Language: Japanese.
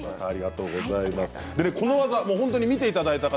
この技、見ていただいた方